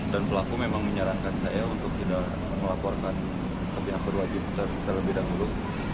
dan pelaku memang menyarankan saya untuk tidak melaporkan ke pihak berwajib terlebih dahulu